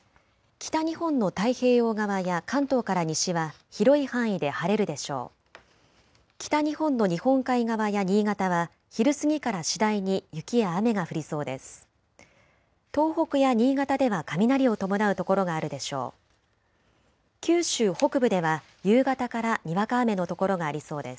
北日本の日本海側や新潟は昼過ぎから次第に雪や雨が降りそうです。